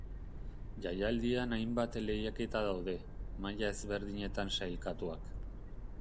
Jaialdian hainbat lehiaketa daude, maila ezberdinetan sailkatuak.